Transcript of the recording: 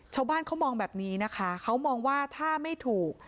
ชาวบ้านเขามองแบบนี้นะคะเขามองว่าถ้าไม่ถูก